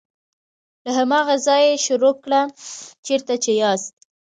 له هماغه ځایه یې شروع کړه چیرته چې یاست.